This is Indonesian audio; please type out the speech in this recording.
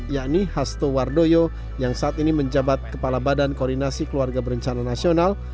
yakni hasto wardoyo yang saat ini menjabat kepala badan koordinasi keluarga berencana nasional